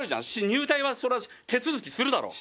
入隊はそりゃ手続きするだろ。